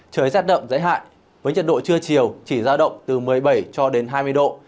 trời rét đậm rét hại với nhiệt độ trưa chiều chỉ giao động từ một mươi bảy cho đến hai mươi độ